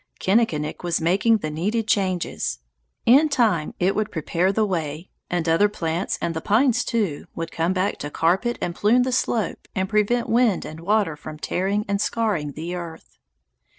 Kinnikinick was making the needed changes; in time it would prepare the way, and other plants, and the pines too, would come back to carpet and plume the slope and prevent wind and water from tearing and scarring the earth.